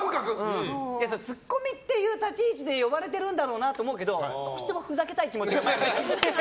ツッコミっていう立ち位置で呼ばれてるんだろうなと思うけどどうしてもふざけたい気持ちが。